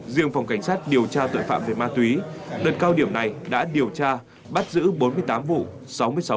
riêng phòng cảnh sát điều tra tội phạm về ma túy đợt cao điểm này đã điều tra bắt giữ bốn mươi tám vụ